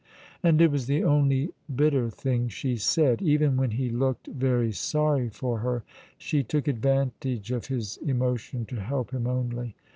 And it was the only bitter thing she said. Even when he looked very sorry for her, she took advantage of his emotion to help him only.